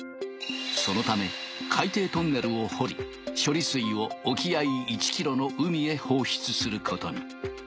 そのため海底トンネルを掘り処理水を沖合１ｋｍの海へ放出することに。